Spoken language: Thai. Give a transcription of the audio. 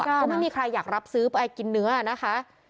ก็ไม่มีใครอยากรับซื้อไปกินเนื้อนะคะ